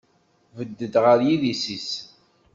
Bded ɣer yidis-is.